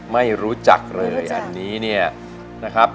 ไม่รู้จักเลยอันนี้เนี่ยนะครับ